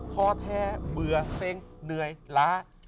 คอแท้เบื่อเซ็งเหนื่อยล้า